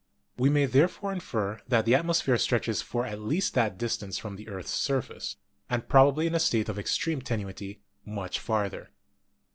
We may therefore infer that the atmosphere stretches for at least that dis tance from the earth's surface, and probably in a state of extreme tenuity much farther.